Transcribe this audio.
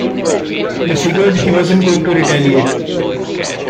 They figured he wasn't going to retaliate.